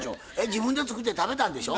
自分で作って食べたんでしょ？